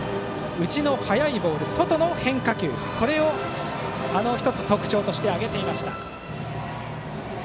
内の速いボール、外の変化球これを１つ、特徴として挙げていました。